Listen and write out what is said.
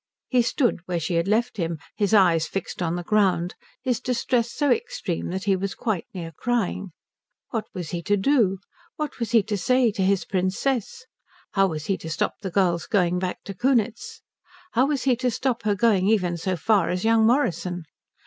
He stood where she had left him, his eyes fixed on the ground, his distress so extreme that he was quite near crying. What was he to do? What was he to say to his Princess? How was he to stop the girl's going back to Kunitz? How was he to stop her going even so far as young Morrison?